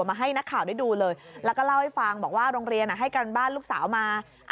มาให้นักข่าวได้ดูเลยแล้วก็เล่าให้ฟังบอกว่าโรงเรียนให้การบ้านลูกสาวมา